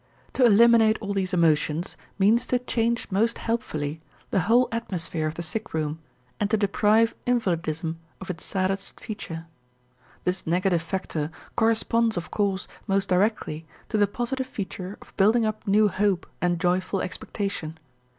To eliminate all these emotions means to change most helpfully the whole atmosphere of the sick room and to deprive invalidism of its saddest feature. This negative factor corresponds of course most directly to the positive feature of building up new hope and joyful expectation.